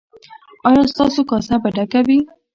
ایا ستاسو کاسه به ډکه وي؟